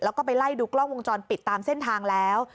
แล้วก็ไปไล่ดูกล้องวงจรปิดตามเส้นทางแล้ว